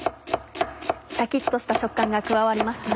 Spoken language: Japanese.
シャキっとした食感が加わりますね。